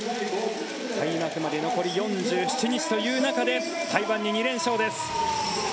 開幕まで残り４７日という中で台湾に２連勝です。